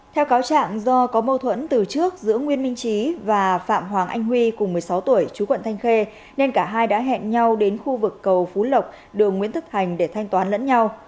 theo cáo trạng do có mâu thuẫn từ trước giữa nguyên minh trí và phạm hoàng anh huy cùng một mươi sáu tuổi chú quận thanh khê nên cả hai đã hẹn nhau đến khu vực cầu phú lộc đường nguyễn tất thành để thanh toán lẫn nhau